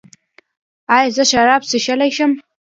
ایا زه شراب څښلی شم؟